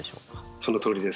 そのとおりです。